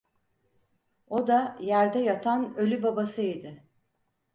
O da yerde yatan ölü babası idi.